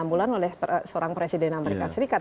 enam bulan oleh seorang presiden amerika serikat